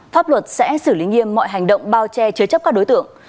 pháp luật sẽ xử lý nghiêm mọi hành động bao che chứa chấp các đối tượng